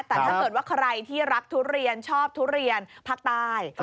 แต่ถ้าเกิดว่าใครที่รักทุเรียนชอบทุเรียนภาคใต้